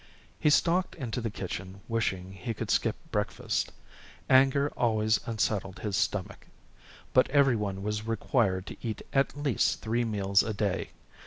He stalked into the kitchen wishing he could skip breakfast anger always unsettled his stomach. But everyone was required to eat at least three meals a day.